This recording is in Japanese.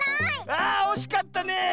あおしかったね！